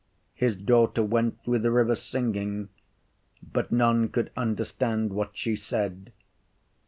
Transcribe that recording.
His daughter went through the river singing, but none could understand what she said.